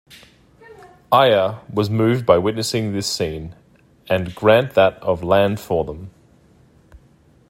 Iyer was moved by witnessing this scene and grant that of land for them.